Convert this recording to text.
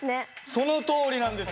そのとおりなんですよ。